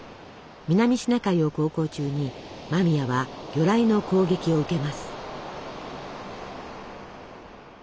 南シナ海を航行中に間宮は魚雷の攻撃を受けます。